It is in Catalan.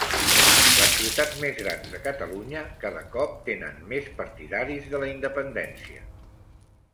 Les ciutats més grans de Catalunya cada cop tenen més partidaris de la independència